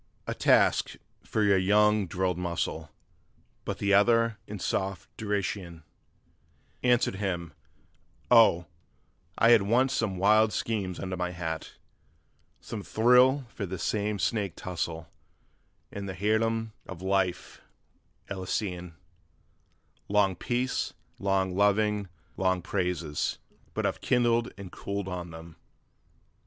'A task for your young drilled muscle!' But the other, in soft derision Answered him: 'Oh, I had once some wild schemes under my hat: Some thrill for this same snake tussle, and the heirdom of life Elysian, Long peace, long loving, long praises: but I've kindled and cooled on that!